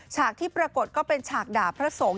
ฉากที่ปรากฏก็เป็นฉากด่าพระสงฆ์